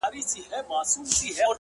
o راته يادېږې شپه كړم څنگه تېره ـ